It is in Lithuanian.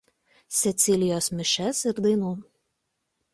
Cecilijos mišias ir dainų.